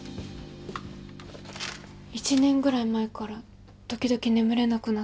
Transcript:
１年ぐらい前から時々眠れなくなって。